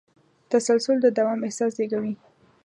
تسلسل د دوام احساس زېږوي.